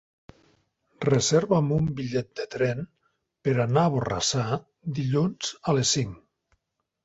Reserva'm un bitllet de tren per anar a Borrassà dilluns a les cinc.